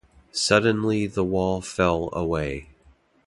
Suddenly the wall fell away.